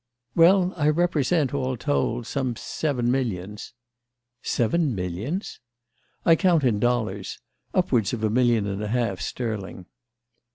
"Well, I represent, all told, some seven millions." "Seven millions?" "I count in dollars. Upwards of a million and a half sterling."